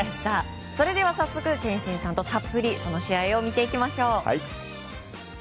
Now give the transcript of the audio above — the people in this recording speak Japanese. それでは早速憲伸さんとたっぷりその試合を見ていきましょう。